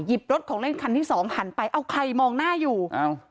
รถของเล่นคันที่สองหันไปเอาใครมองหน้าอยู่อ้าว